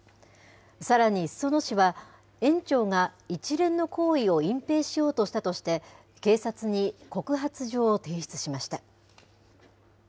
さらに裾野市は、園長が一連の行為を隠蔽しようとしたとして、警察に告発状を提出しました。